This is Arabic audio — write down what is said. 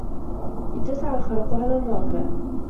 اتسع الخرق على الراقع